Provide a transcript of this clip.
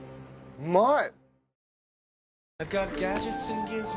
うまい！